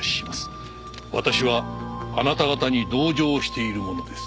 「私はあなた方に同情している者です」